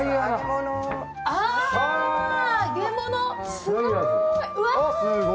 すごーい！